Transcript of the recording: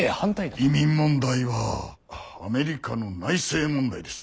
移民問題はアメリカの内政問題です。